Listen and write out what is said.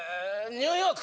ニューヨーク！